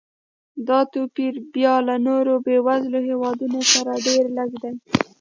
دا توپیر بیا له نورو بېوزلو هېوادونو سره ډېر لږ دی.